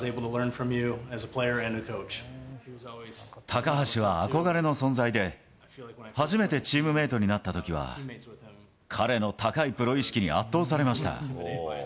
高橋は憧れの存在で、初めてチームメートになったときは、彼の高いプロ意識に圧倒されました。